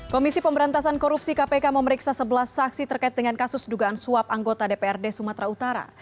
komisi pemberantasan korupsi kpk memeriksa sebelas saksi terkait dengan kasus dugaan suap anggota dprd sumatera utara